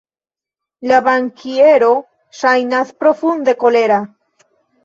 La bankiero ŝajnas profunde kolera.